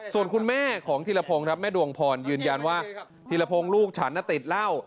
ส่วนคุณแม่ของธีรพงศ์ครับแม่ดวงพรยืนยันว่าธีรพงศ์ลูกฉันติดเหล้า